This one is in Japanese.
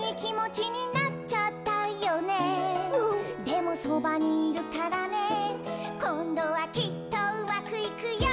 「でもそばにいるからねこんどはきっとうまくいくよ！」